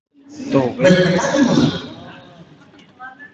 ¡Tove!